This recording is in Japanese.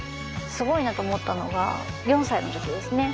すごいなと思ったのが４歳の時ですね